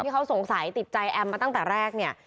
เขาสงสัยติดใจแอมมาตั้งแต่แรกเนี่ย